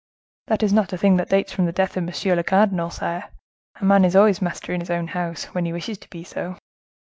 "That is not a thing that dates from the death of monsieur le cardinal, sire; a man is always master in his own house, when he wishes to be so."